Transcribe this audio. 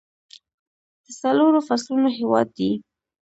د څلورو فصلونو هیواد دی.